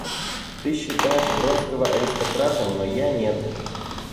Ты считаешь Вронского аристократом, но я нет.